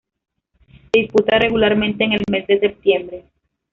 Se disputa regularmente en el mes de septiembre.